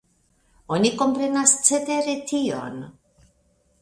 Oni komprenas cetere tion.